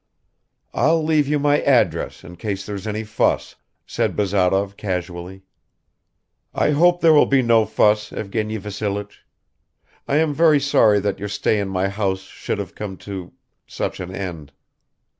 "I'll leave you my address, in case there's any fuss," said Bazarov casually. "I hope there will be no fuss, Evgeny Vassilich ... I am very sorry that your stay in my house should have come to ... such an end.